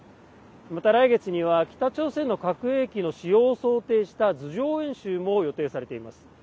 また来月には北朝鮮の核兵器の使用を想定した図上演習も予定されています。